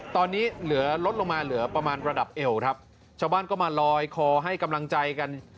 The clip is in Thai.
ตอนนี้เหลือลดลงมาเหลือประมาณระดับเอวครับชาวบ้านก็มาลอยคอให้กำลังใจกัน